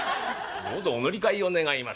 「どうぞお乗り換えを願います」